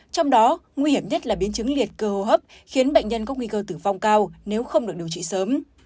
trong đó nguy hiểm nhất là biến chứng liệt cơ hô hấp khiến bệnh nhân có nguy cơ tử vong cao nếu không được điều trị sớm